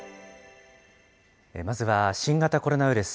まずは新型コロナウイルス。